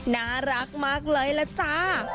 น่ารักมากเลยแหละจ๊ะ